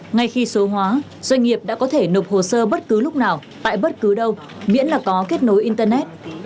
ngay khi số hóa doanh nghiệp đã có thể nộp hồ sơ bất cứ lúc nào tại bất cứ đâu miễn là có kết nối internet